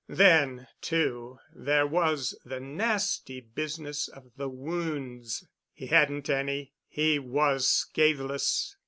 Then, too, there was the nasty business of the wounds. He hadn't any. He was scathless.